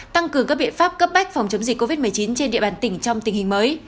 tăng cường các biện pháp cấp bách phòng chống dịch covid một mươi chín trên địa bàn tỉnh trong tình hình mới